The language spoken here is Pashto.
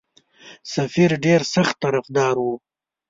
سفیر ډېر سخت طرفدار وو.